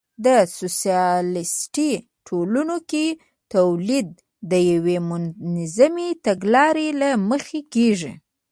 په سوسیالیستي ټولنو کې تولید د یوې منظمې تګلارې له مخې کېږي